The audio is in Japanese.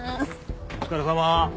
お疲れさま。